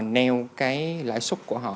nêu cái lãi suất của họ